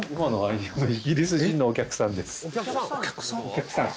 お客さん？